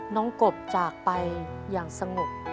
น้องกบจากไปอย่างสงบ